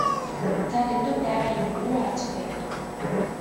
За Дэндэв байгаа юм юу алзах вэ?